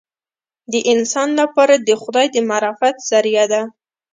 د انسان لپاره د خدای د معرفت ذریعه ده.